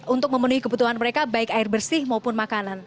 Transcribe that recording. untuk memenuhi kebutuhan mereka baik air bersih maupun makanan